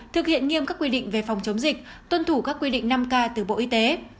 thực hiện nghiêm các quy định về phòng chống dịch tuân thủ các quy định năm k từ bộ y tế